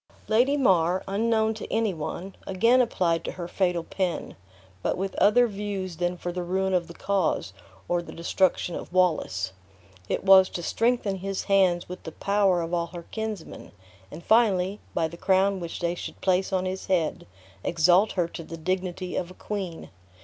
Lady Mar, unknown to any one, again applied to her fatal pen; but with other views than for the ruin of the cause, or the destruction of Wallace. It was to strengthen his hands with the power of all her kinsmen; and finally, by the crown which they should place on his head, exalt her to the dignity of a queen.